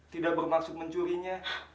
tidak bermaksud mencurinya